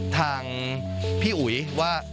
ทางพี่อุ๋ยว่า